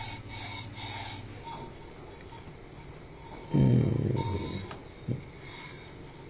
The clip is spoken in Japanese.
うん。